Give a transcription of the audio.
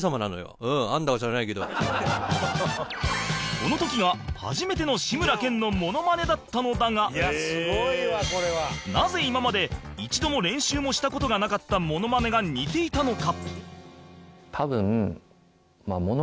この時が初めての志村けんのモノマネだったのだがなぜ今まで一度も練習もした事がなかったモノマネが似ていたのか？